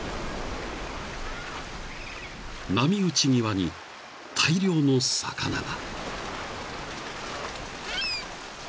［波打ち際に大量の魚が］